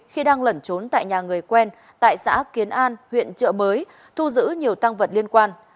khi đang lẩn trốn tại nhà người quen tại xã kiến an huyện trợ mới thu giữ nhiều tăng vật liên quan